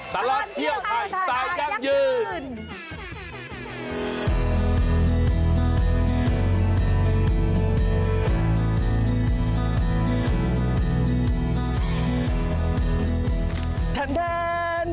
ท่องเที่ยวไทยสายกังยืน